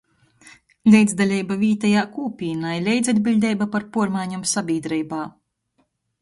Leidzdaleiba vītejā kūpīnā i leidzatbiļdeiba par puormaiņom sabīdreibā.